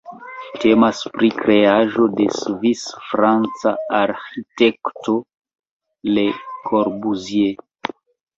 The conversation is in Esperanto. Temas pri kreaĵo de svis-franca arĥitekto Le Corbusier.